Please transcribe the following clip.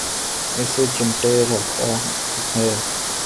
اس سے چمٹے رہتا ہے۔